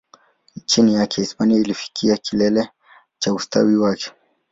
Chini yake, Hispania ilifikia kilele cha ustawi wake.